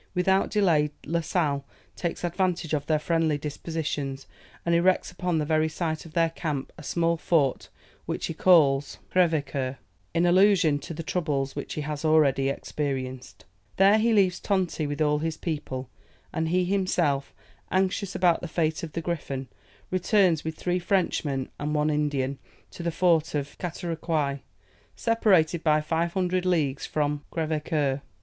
Without delay, La Sale takes advantage of their friendly dispositions, and erects upon the very site of their camp, a small fort, which he calls Crèvecoeur, in allusion to the troubles which he has already experienced. There he leaves Tonti with all his people, and he himself, anxious about the fate of the Griffon, returns with three Frenchmen and one Indian, to the fort of Catarocouy, separated by 500 leagues from Crèvecoeur.